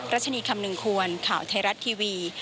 รัชนีคำนึงควรข่าวไทยรัฐทีวี